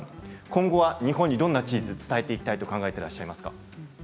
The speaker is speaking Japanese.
今後、日本にどんなチーズを伝えていきたいと考えていらっしゃいますか。